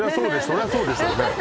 そりゃそうでしょうね